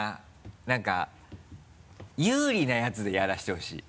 何か有利なやつでやらせてほしい。